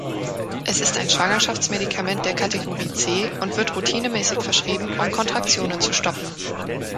Es ist ein Schwangerschaftsmedikament der Kategorie C und wird routinemäßig verschrieben, um Kontraktionen zu stoppen.